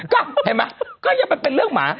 ก็แต่เห็นมั้ยก็อย่าเป็นเรื่องหมา